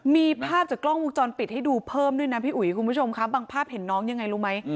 มีภาพจากกล้องวงจรปิดให้ดูเพิ่มบางภาพเห็นน้องยังไงรู้ไหม